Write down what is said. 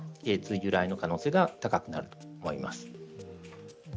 由来の可能性が高くなると思います。